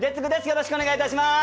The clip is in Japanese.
よろしくお願いします。